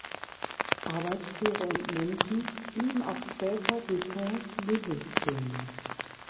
Arbeitstiere und Menschen blieben auch später Duponts Lieblingsthemen.